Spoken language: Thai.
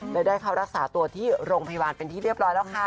และได้เข้ารักษาตัวที่โรงพยาบาลเป็นที่เรียบร้อยแล้วค่ะ